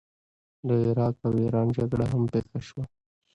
د عراق او ایران جګړه هم پیښه شوه.